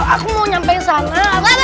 aku mau nyampe sana